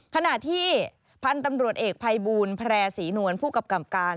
ขณะที่พันธุ์ตำรวจเอกภัยบูลแพร่ศรีนวลผู้กำกับการ